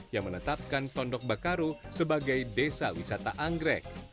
yang menetapkan tondok bakaru sebagai desa wisata anggrek